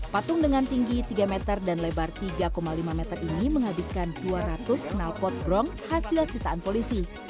patung dengan tinggi tiga meter dan lebar tiga lima meter ini menghabiskan dua ratus kenalpot brong hasil sitaan polisi